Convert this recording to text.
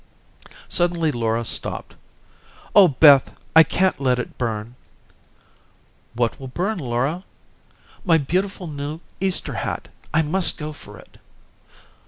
Suddenly Laura stopped. "Oh, Beth, I can't let it burn." "What will burn, Laura?" "My beautiful new Easter hat. I must go for it."